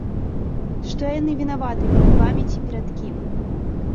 Што яны вінаваты перад вамі ці перад кім!